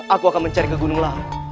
aku akan mencari ke gunung lain